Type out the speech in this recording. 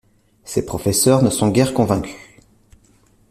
Ses professeurs ne sont guère convaincus.